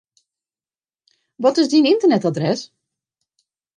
Wat is dyn ynternetadres?